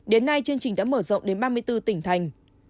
đến nay chương trình đã mở rộng đến ba mươi bốn tỉnh thành